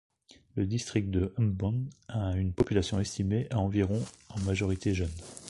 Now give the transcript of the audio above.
Le district de Mbon a une population estimée à environ en majorité jeunes.